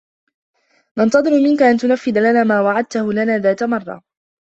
ننتظرُ منكَ أن تُنَفِّذَ لنا ما وعدتَه لنا ذات مرة.